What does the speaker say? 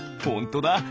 ほんとだ。